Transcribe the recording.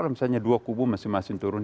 misalnya dua kubu masing masing turun